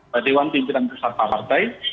batiwan pimpinan besar partai